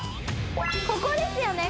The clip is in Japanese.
ここですよね？